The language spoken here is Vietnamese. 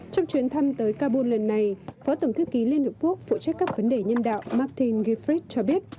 trong chuyến thăm tới kabul lần này phó tổng thư ký liên hợp quốc phụ trách các vấn đề nhân đạo martin gyfried cho biết